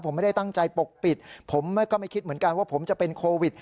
ผมไม่ได้ตั้งใจปกปิดผมก็ไม่คิดเหมือนกันว่าผมจะเป็นโควิด